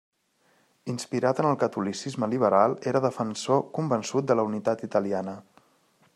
Inspirat en el catolicisme liberal, era defensor convençut de la unitat italiana.